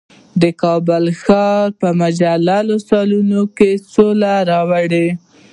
د کابل ښار په مجللو سالونونو کې سوله راولي.